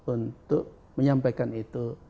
untuk menyampaikan itu